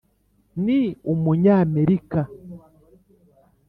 ni umunyamerika,